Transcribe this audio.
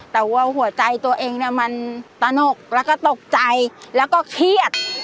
แต่ว่าหัวใจตัวเองเนี่ยมันตนกแล้วก็ตกใจแล้วก็เครียด